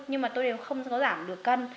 nhưng mà tôi đều không có giảm được cân